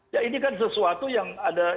ya ini kan sesuatu yang ada